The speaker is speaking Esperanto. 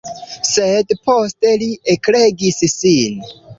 Sed poste li ekregis sin.